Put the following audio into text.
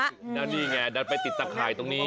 ด้านนี้ไงด้านไปติดสะขายตรงนี้